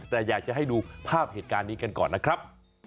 แต่อยากจะให้ดูภาพเหตุการณ์นี้กันก่อนนะครับ